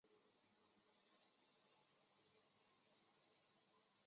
还有少数民族地区财政三照顾政策。